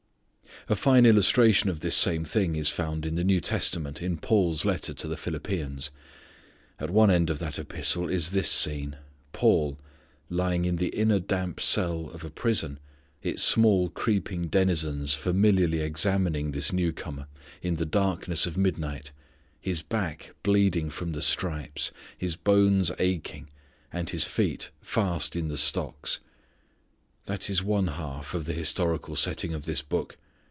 A fine illustration of this same thing is found in the New Testament in Paul's letter to the Philippians. At one end of that epistle is this scene: Paul, lying in the inner damp cell of a prison, its small creeping denizens familiarly examining this newcomer, in the darkness of midnight, his back bleeding from the stripes, his bones aching, and his feet fast in the stocks. That is one half of the historical setting of this book.